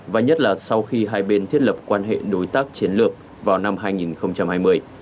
và nhất là sau khi hai bên thiết lập quan hệ đối tác chiến lược vào năm hai nghìn hai mươi